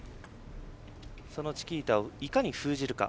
そのチキータをいかに封じるか。